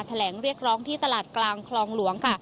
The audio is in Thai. แถลงเรียกร้องที่ตลาดกลางคลองหลวง